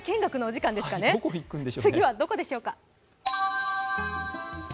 次はどこでしょうか。